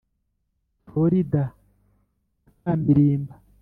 florida muka milimba